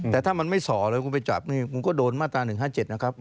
แต่ถ้ามันไม่ส่อเลยคุณไปจับนี่คุณก็โดนมาตรา๑๕๗นะครับ